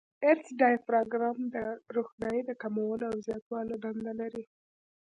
آیرس ډایفراګم د روښنایي د کمولو او زیاتولو دنده لري.